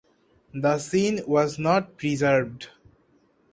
The scene was not preserved.